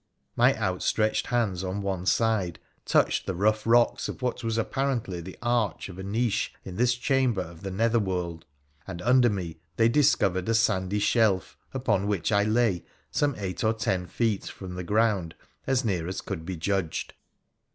My outstretched hands on one side touched the rough rocks of what was apparently the arch of a niche in this chamber of the nether world, and under me they discovered a sandy shelf, upon which I lay some eight or ten feet from the ground, as near as could be judged.